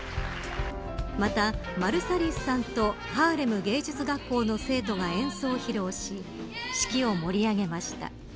またマルサリスさんとハーレム芸術学校の生徒が演奏を披露し式を盛り上げました。